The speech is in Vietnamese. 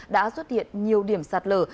đã xuất hiện nhiều điểm sạt lở